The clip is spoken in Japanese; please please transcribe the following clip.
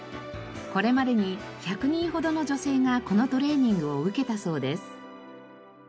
これまでに１００人ほどの女性がこのトレーニングを受けたそうです。